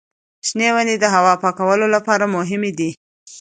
شنې ونې د هوا پاکولو لپاره مهمې دي.